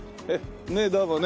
ねえどうもね。